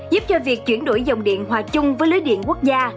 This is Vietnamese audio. giúp cho việc chuyển đổi dòng điện hòa chung với lưới điện quốc gia